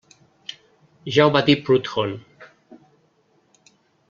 Ja ho va dir Proudhon.